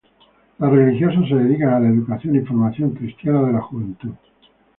Las religiosas se dedican a la educación y formación cristiana de la juventud.